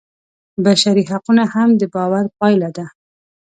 بشري حقونه هم د باور پایله ده.